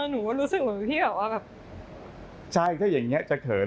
น่ารักดีน่ารักดี